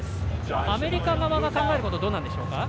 アメリカ側が考えることはどうなんでしょうか。